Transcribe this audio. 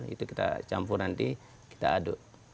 itu kita campur nanti kita aduk